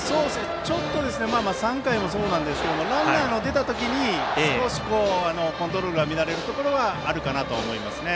ちょっと３回もそうですがランナーが出た時に少しコントロールが乱れるところはあると思います。